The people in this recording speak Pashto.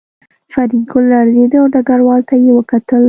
فریدګل لړزېده او ډګروال ته یې وکتل